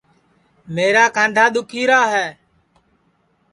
میرا کاںٚدھا دُؔکھی را ہے